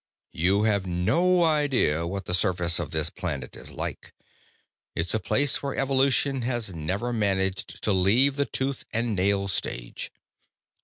You have no idea what the surface of this planet is like it's a place where evolution has never managed to leave the tooth and nail stage.